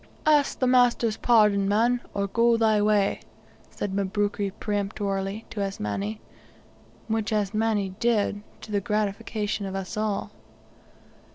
"Ask the master's pardon, man, or go thy way," said Mabruki peremptorily, to Asmani: which Asmani did, to the gratification of us all.